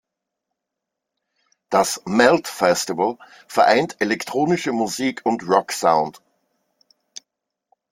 Das Melt-Festival vereint elektronische Musik und Rocksound.